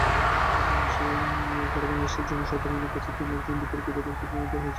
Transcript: ফলে বাংলাদেশের জনসাধারনের কাছে তিনি একজন বিতর্কিত ব্যক্তিতে পরিণত হয়েছেন।